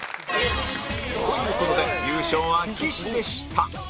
という事で優勝は岸でした